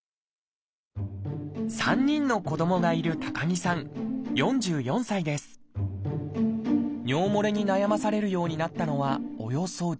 ３人の子どもがいる尿もれに悩まされるようになったのはおよそ１０年前。